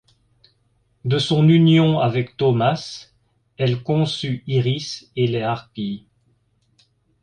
De son union avec Thaumas, elle conçut Iris et les Harpies.